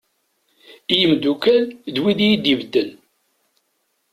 I yimddukal d wid yid-i bedden.